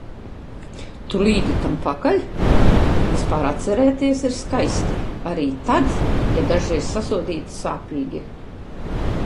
Tu līdi tam pakaļ? Vispār atcerēties ir skaisti. Arī tad, ja dažreiz sasodīti sāpīgi.